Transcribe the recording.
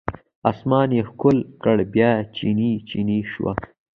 اسمان یې ښکل کړ بیا چینې، چینې شوه